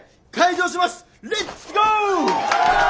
レッツゴー！